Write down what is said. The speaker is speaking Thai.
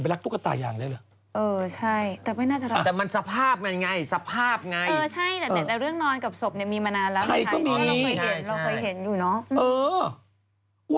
เรื่องนอนกับศพมีมานานแล้ว